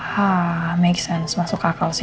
dan mungkin salah satu surat itu yang disita oleh polisi